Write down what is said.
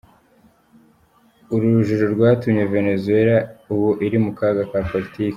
Uru rujijo rwatumye Venezuela ubu iri mu kaga ka politiki.